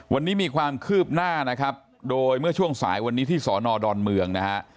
วันนี้มีความคืบหน้านะครับโดยเมื่อช่วงสายวันนี้ที่สอนอดอนเมืองนะฮะ